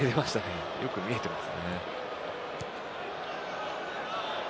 よく見えてますね。